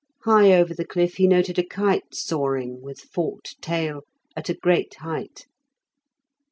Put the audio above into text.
High over the cliff he noted a kite soaring, with forked tail, at a great height.